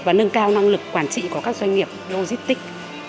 và nâng cao năng lực quản trị của các doanh nghiệp logistics